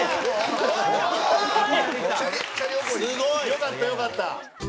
よかったよかった。